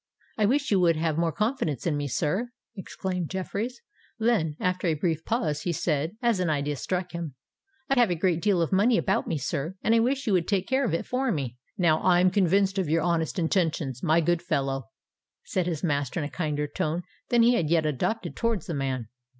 "I wish you would have more confidence in me, sir," exclaimed Jeffreys: then, after a brief pause, he said, as an idea struck him, "I have a great deal of money about me, sir—and I wish you would take care of it for me." "Now I am convinced of your honest intentions, my good fellow," said his master, in a kinder tone than he had yet adopted towards the man.